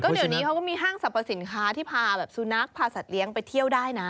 เดี๋ยวนี้เขาก็มีห้างสรรพสินค้าที่พาแบบสุนัขพาสัตว์เลี้ยงไปเที่ยวได้นะ